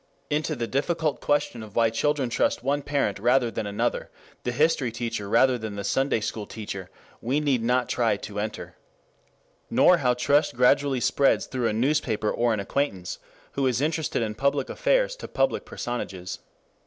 Into the difficult question of why children trust one parent rather than another, the history teacher rather than the Sunday school teacher, we need not try to enter. Nor how trust gradually spreads through a newspaper or an acquaintance who is interested in public affairs to public personages.